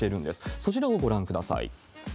そちらをご覧ください。